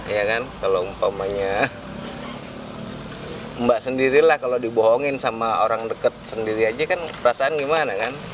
ya kan kalau umpamanya mbak sendiri lah kalau dibohongin sama orang dekat sendiri aja kan perasaan gimana kan